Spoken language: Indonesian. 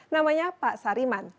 namanya pak sariman